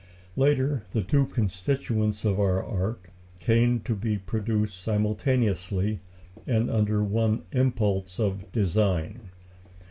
Later, the two constituents of our art came to be produced simultaneously, and under one impulse of design.